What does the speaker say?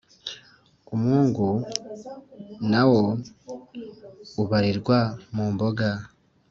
umwungu na wo ubarirwa mu mboga.